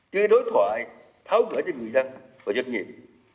chưa đối thoại tháo ngỡ trên người dân và doanh nghiệp